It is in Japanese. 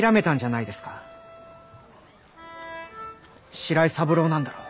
白井三郎なんだろ。